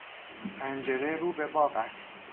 پنجره رو به باغ است.